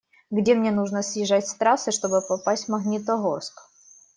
Где мне нужно съезжать с трассы, чтобы попасть в Магнитогорск?